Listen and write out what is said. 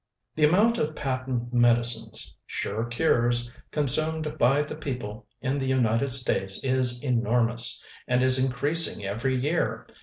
The amount of patent medicines, "sure cures," consumed by the people in the United States is enormous, and is increasing every year.